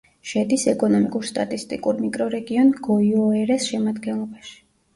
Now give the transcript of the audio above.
შედის ეკონომიკურ-სტატისტიკურ მიკრორეგიონ გოიოერეს შემადგენლობაში.